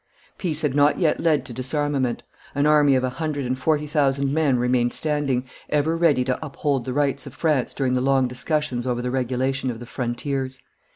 Peace had not yet led to disarmament; an army of a hundred and forty thousand men remained standing, ever ready to uphold the rights of France during the long discussions over the regulation of the frontiers.